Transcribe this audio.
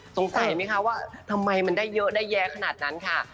สงสัยไหมคะว่าทำไมมันได้เยอะได้แย้ขนาดนั้นค่ะ